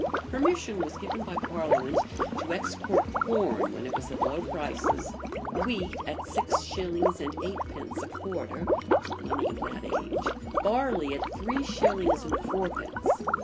[] Permission was given by parliament to export corn when it was at low prices; wheat at six shillings and eightpence a quarter, money of that age; barley at three shillings and fourpence.